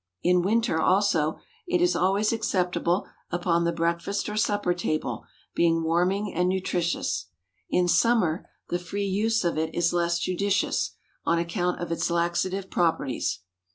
In winter, also, it is always acceptable upon the breakfast or supper table, being warming and nutritious. In summer the free use of it is less judicious, on account of its laxative properties.